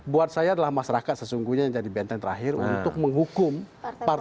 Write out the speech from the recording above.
buat saya adalah masyarakat sesungguhnya yang jadi benteng terakhir untuk menghukum partai politiknya itu jangan dipilih